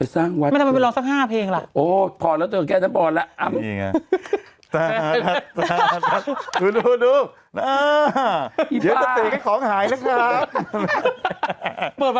พหัสไขไทยซะปกไครไหมกว่าเดิม